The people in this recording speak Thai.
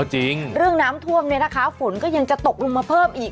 จริงเรื่องน้ำท่วมเนี่ยนะคะฝนก็ยังจะตกลงมาเพิ่มอีก